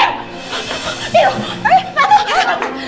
ya allah sakitnya